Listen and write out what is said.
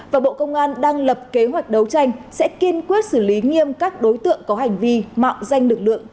và bộ công an đang lập kế hoạch đấu tranh sẽ kiên quyết xử lý nghiêm các đối tượng có hành vi mạo danh lực lượng